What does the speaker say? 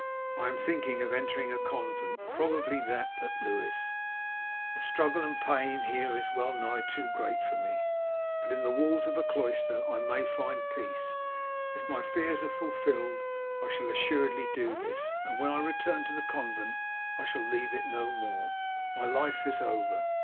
I am thinking of entering a convent, probably that at Lewes. The struggle and pain here is well nigh too great for me, but in the walls of a cloister I may find peace. If my fears are fulfilled I shall assuredly do this, and when I return to the convent I shall leave it no more. My life is over.